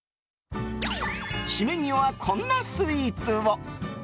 締めには、こんなスイーツを！